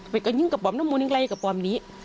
ไปก็ยิ้งกับปอมน้ำมูนยังไงกับปอมนี้